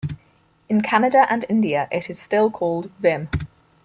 In Canada and India, it is still called Vim.